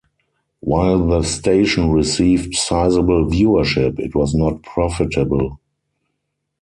While the station received sizeable viewership, it was not profitable.